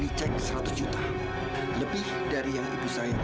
insya allah ibu